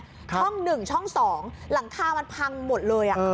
ช่อง๑ช่อง๒หลังคามันพังหมดเลย